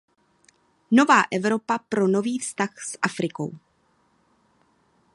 Nová Evropa pro nový vztah s Afrikou.